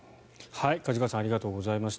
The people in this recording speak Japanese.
梶川さんありがとうございました。